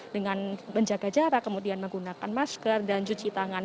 dengan menjaga jarak kemudian menggunakan masker dan cuci tangan